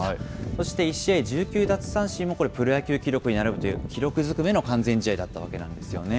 そして１試合１９奪三振もこれ、プロ野球記録に並ぶという記録ずくめの完全試合だったわけなんですよね。